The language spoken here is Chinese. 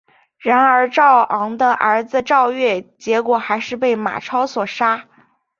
然而赵昂的儿子赵月结果还是被马超所杀。